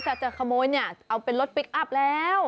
ถ้าจะขโมยเนี่ยเอาเป็นรถพลิกอัพแล้ว